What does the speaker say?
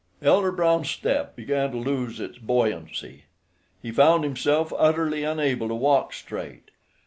Elder Brown's step began to lose its buoyancy. He found himself utterly unable to walk straight.